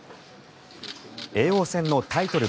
叡王戦のタイトル